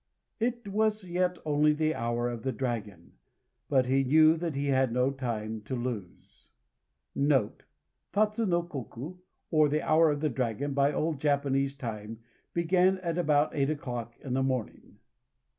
It was yet only the Hour of the Dragon; but he knew that he had no time to lose. Tatsu no Koku, or the Hour of the Dragon, by old Japanese time, began at about eight o'clock in the morning.